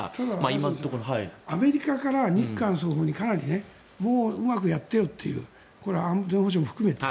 ただ、若新さんアメリカから日韓双方に、かなりうまくやってよという安全保障も含めて。